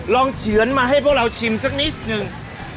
เฉือนมาให้พวกเราชิมสักนิดนึง